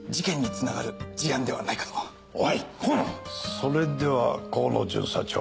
それでは河野巡査長。